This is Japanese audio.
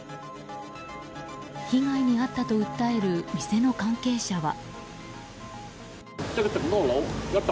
被害に遭ったと訴える店の関係者は。